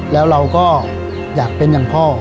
แล้วเราก็อยากเป็นอย่างพ่อ